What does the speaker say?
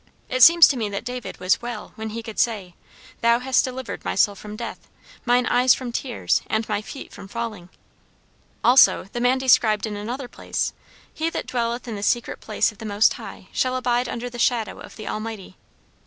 It seems to me that David was 'well' when he could say, 'Thou hast delivered my soul from death, mine eyes from tears, and my feet from falling.' Also the man described in another place 'He that dwelleth in the secret place of the Most High shall abide under the shadow of the Almighty.'"